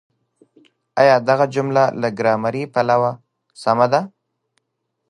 آيا دغه جمله له ګرامري پلوه سمه ده؟